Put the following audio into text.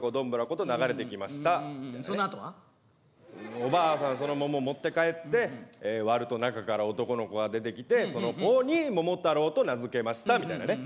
おばあさんはその桃持って帰って割ると中から男の子が出てきてその子に桃太郎と名付けましたみたいなね。